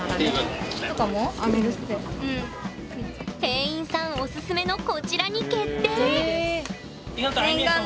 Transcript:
店員さんおすすめのこちらに決定！